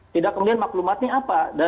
tidak kemudian maklumatnya apa